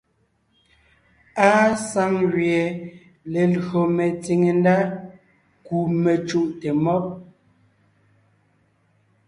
Àa saŋ gẅie lelÿò metsìŋe ndá kú mecùʼte mɔ́b.